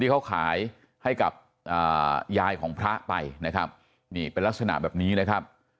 เขาขายให้กับยายของพระไปนะครับนี่เป็นลักษณะแบบนี้นะครับ